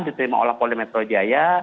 diterima oleh polda metro jaya